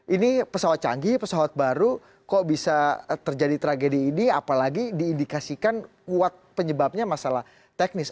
ini pesawat canggih pesawat baru kok bisa terjadi tragedi ini apalagi diindikasikan kuat penyebabnya masalah teknis